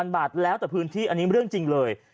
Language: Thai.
บาทแล้วแต่พื้นที่อันนี้เรื่องจริงเลย